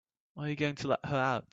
Are you going to let her out?